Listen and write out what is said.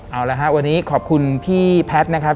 เอาละครับวันนี้ขอบคุณพี่แพทย์นะครับ